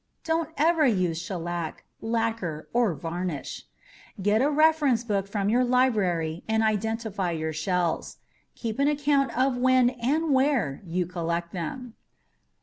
Don't ever use shellac, lacquer or varnish. Get a reference book from your library and identify your shells. Keep an account of when and where you collected them.